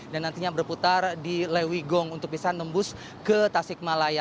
dan nantinya berputar di lewigong untuk bisa nembus ke tasik malaya